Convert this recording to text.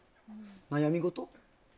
悩み事？